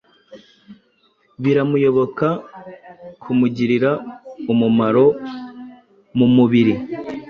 Biramuyoboka: kumugirira umumaro mumubiri